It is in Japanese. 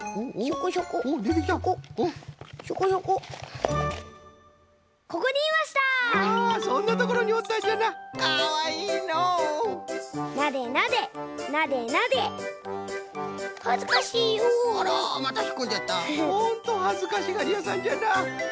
ほんとはずかしがりやさんじゃな。